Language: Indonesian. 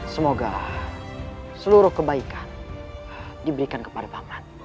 semoga seluruh kebaikan diberikan kepada paman